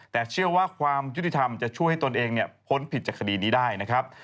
แต่เชื่อว่าความยุติธรรมจะช่วยให้ตนเองพ้นผิดจากคดีนี้ได้นะครับ